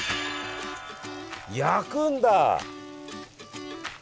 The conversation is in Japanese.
焼くんだ！